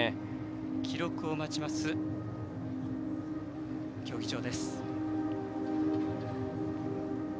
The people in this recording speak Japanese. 記録を待つ競技場です。